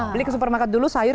beli ke supermarket dulu sayur